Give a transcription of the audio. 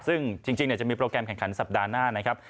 ซึ่งจริงจะมีโปรแกรมแข่งขันสัปดาห์หน้านะครับ